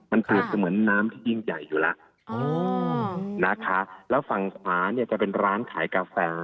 มันเปรียบเสมือนน้ำที่ยิ่งใหญ่อยู่แล้วนะคะแล้วฝั่งขวาเนี่ยจะเป็นร้านขายกาแฟ